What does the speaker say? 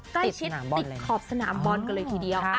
ใกล้ชิดติดขอบสนามบอลกันเลยทีเดียว